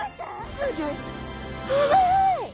すごい。